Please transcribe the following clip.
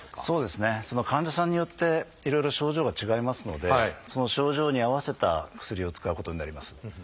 そうですねその患者さんによっていろいろ症状が違いますのでその症状に合わせた薬を使うことになります。